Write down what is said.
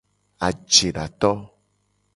Ajedato.